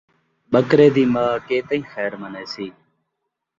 ٻکرے دی ما کے تئیں خیر منیسی